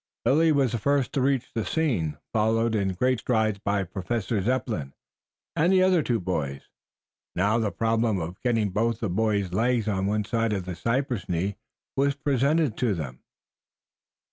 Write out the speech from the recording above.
Lilly was the first to reach the scene, followed in great strides by Professor Zepplin and the other two boys. Now the problem of getting both the boy's legs on one side of the cypress knee was presented to them.